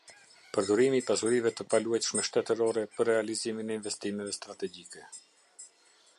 Përdorimi i pasurive të paluajtshme shtetërore për realizimin e investimeve strategjike.